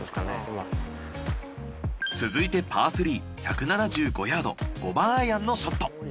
続いてパー３１７５ヤード５番アイアンのショット。